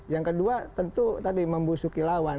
yang kedua tentu tadi membusuki lawan